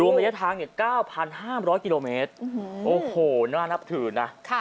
รวมระยะทางเนี่ย๙๕๐๐กิโลเมตรโอ้โหน่านับถือนะค่ะ